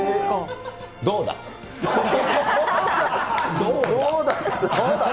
どうだ！